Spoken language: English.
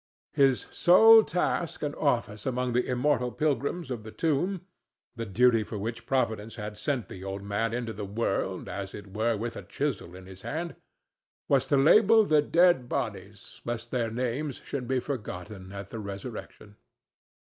His sole task and office among the immortal pilgrims of the tomb—the duty for which Providence had sent the old man into the world, as it were with a chisel in his hand—was to label the dead bodies, lest their names should be forgotten at the resurrection.